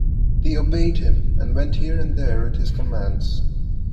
They obeyed him, and went here and there at his commands.